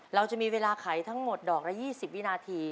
เราจะมีเวลาไขทั้งหมดดอกละ๒๐วินาที